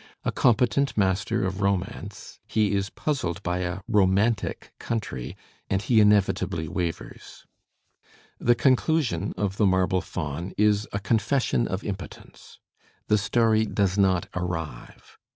A competent master of romance, he is puzzled by a "romantic" country and he inevitably wavers. The "Conclusion" of "The Marble Faun" is a confession of impotence. The story does not arrive.